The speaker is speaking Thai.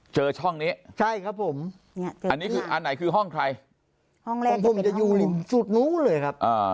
เจอช่องนี้อันไหนคือห้องใครผมจะอยู่สุดนู้เลยครับ